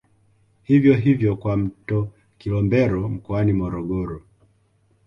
Hivyo hivyo kwa mto Kilombero mkoani Morogoro